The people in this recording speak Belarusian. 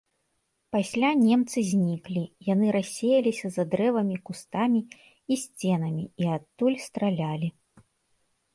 Пасля немцы зніклі, яны рассеяліся за дрэвамі, кустамі і сценамі і адтуль стралялі.